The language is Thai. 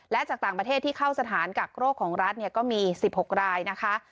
และจากต่างประเทศที่เข้าสถานกักโรคของรัฐก็มี๑๖รายนะคะ